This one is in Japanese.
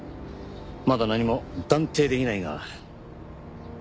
まだ何も断定できないが。